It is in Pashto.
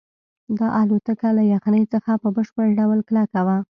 دا الوتکه له یخنۍ څخه په بشپړ ډول کلکه وه